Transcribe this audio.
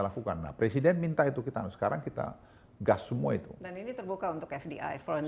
lakukan nah presiden minta itu kita sekarang kita gas semua itu dan ini terbuka untuk fdi front